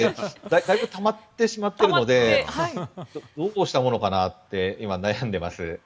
だいぶたまってしまっているのでどうしたものかなって今、悩んでいます。